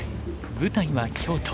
舞台は京都。